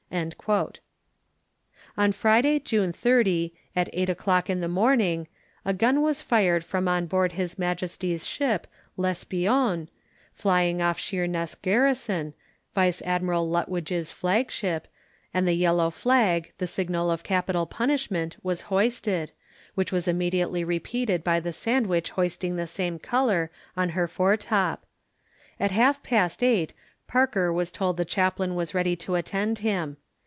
On Friday, June 30, at eight o'clock in the morning, a gun was fired from on board His Majesty's ship L'Espion, lying off Sheerness garrison, Vice Admiral Lutwidge's flag ship, and the yellow flag, the signal of capital punishment, was hoisted, which was immediately repeated by the Sandwich hoisting the same colour on her fore top. At half past eight Parker was told the chaplain was ready to attend him.